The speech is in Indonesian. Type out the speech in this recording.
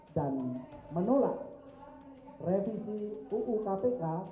dan menolak revisi uu kpk